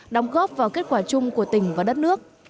đóng góp vào kết quả chung của tỉnh và đất nước